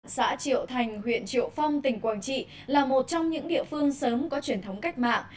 xã triệu thành huyện triệu phong tỉnh quảng trị là một trong những địa phương sớm có truyền thống cách mạng